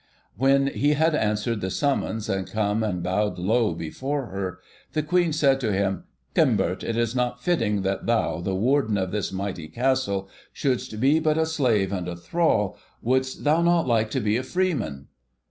When he had answered the summons, and come and bowed low before her, the Queen said to him: 'Cymbert, it is not fitting that thou, the Warden of this mighty Castle, shouldst be but a slave and a thrall, wouldst thou not like to be a freeman?